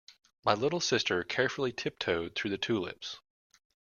My little sister carefully tiptoed through the tulips.